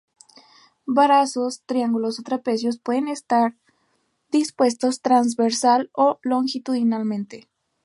Brazos, triángulos o trapecios pueden estar dispuestos transversal o longitudinalmente.